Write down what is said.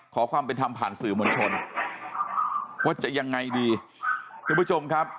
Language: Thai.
ขอความเป็นธรรมผ่านสื่อมวลชนว่าจะยังไงดีท่านผู้ชมครับ